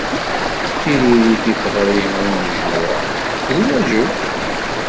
Tiririt i teɣri n unejmuɛ d lwaǧeb.